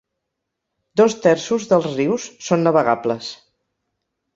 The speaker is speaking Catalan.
Dos terços dels rius són navegables.